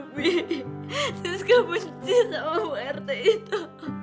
widya siska benci sama bu rt itu